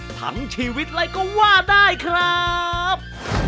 ทั้งชีวิตเลยก็ว่าได้ครับ